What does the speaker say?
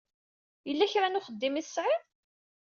Yella kra n uxeddim ay tesɛiḍ?